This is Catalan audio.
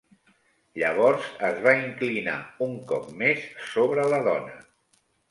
Llavors es va inclinar un cop més sobre la dona.